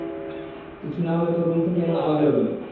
কিছু না হলে তোর রুম থেকে এমন আওয়াজ এলো কেন?